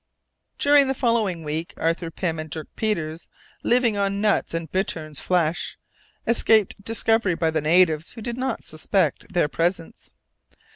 _ During the following week, Arthur Pym and Dirk Peters, living on nuts and bitterns' flesh, escaped discovery by the natives, who did not suspect their presence.